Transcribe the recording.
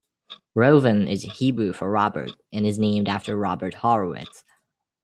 Reuven is Hebrew for Robert and is named after Robert Horowitz.